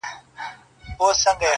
د خپل ژوند عکس ته گوري~